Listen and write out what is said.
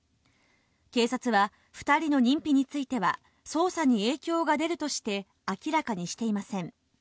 警察は、２人の認否については、捜査に影響が出るとして明らかにしていません。